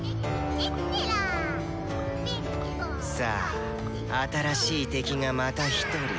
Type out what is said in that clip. さぁ新しい敵がまた１人。